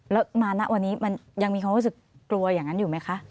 แล้วมาณวันนี้มันยังมีความรู้สึกกลัวอย่างนั้นอยู่ไหมคะ